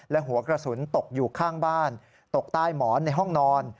และหัวกระสุนตกอยู่ข้างบ้านตกใต้หมอนในห้องนอน